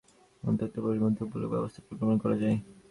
অন্তত প্রতিরোধমূলক ব্যবস্থার পরিকল্পনা করা যায়।